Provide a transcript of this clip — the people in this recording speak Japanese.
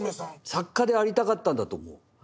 作家でありたかったんだと思う。